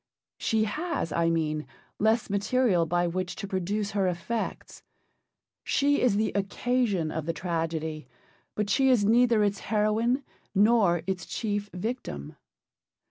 She has, I mean, less material by which to produce her effects. She is the occasion of the tragedy, but she is neither its heroine nor its chief victim.